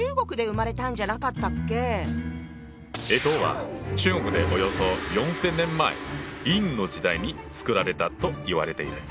干支は中国でおよそ４，０００年前殷の時代に作られたといわれている。